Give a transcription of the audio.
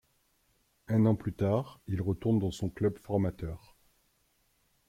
Un an plus tard, il retourne dans son club formateur.